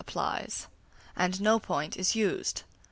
applies, and no point is used.